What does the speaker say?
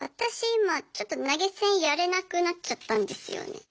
今ちょっと投げ銭やれなくなっちゃったんですよね。